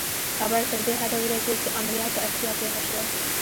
خبره تر دې حده ورسېده چې عملیات ته اړتیا پېښه شوه